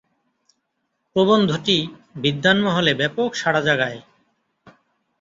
প্রবন্ধটি বিদ্বান মহলে ব্যাপক সাড়া জাগায়।